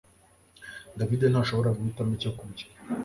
David ntashobora guhitamo icyo kurya